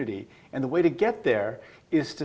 dan cara untuk mencapai itu